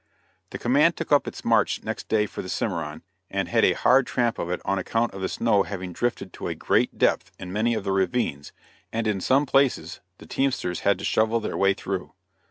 The command took up its march next day for the Cimarron, and had a hard tramp of it on account of the snow having drifted to a great depth in many of the ravines, and in some places the teamsters had to shovel their way through.